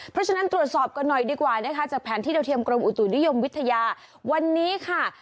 เพราะฉะนั้นตรวจสอบกันหน่อยดีกว่านะคะจากแผนที่เราเทียมกรมอุตุนิยมวิทยาวันนี้ค่ะ